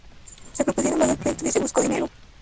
Se propusieron varios proyectos y se buscó dinero.